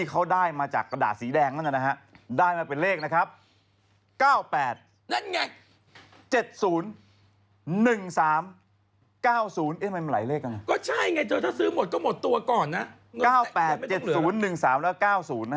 ก็ใช่ไงถ้าซื้อหมดก็หมดตัวก่อนนะ